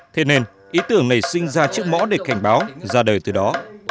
thế nên ý tưởng nảy sinh ra chiếc mõ để cảnh báo ra đời từ đó